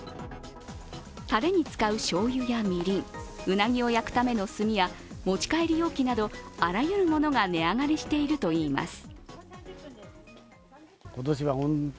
たれに使うしょうゆやみりん、うなぎを焼くための炭や持ち帰り容器などあらゆるものが値上がりしているといいます。